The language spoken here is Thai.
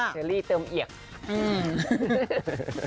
เฉลี่ยเติมเอก